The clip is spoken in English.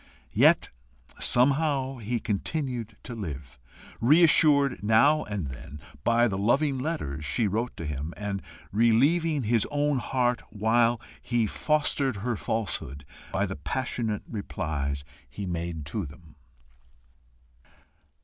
Yet somehow he continued to live, reassured now and then by the loving letters she wrote to him, and relieving his own heart while he fostered her falsehood by the passionate replies he made to them.